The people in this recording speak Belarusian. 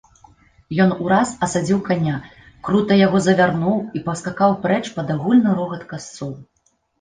Ён ураз асадзіў каня, крута яго завярнуў і паскакаў прэч пад агульны рогат касцоў.